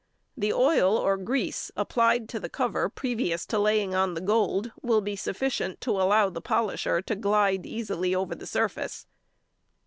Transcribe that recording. The oil or grease applied to the cover previous to laying on the gold will be sufficient to allow the polisher to glide easily over the surface.